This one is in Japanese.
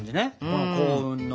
この幸運の。